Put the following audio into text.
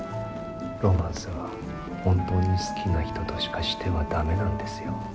ロマンスは本当に好きな人としかしては駄目なんですよ。